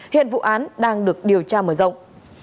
hiện vụ án đang được điều tra mở rộng